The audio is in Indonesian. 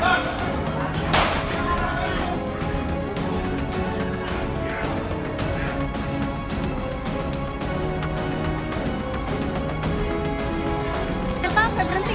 gila gila kayaknya sampai berhenti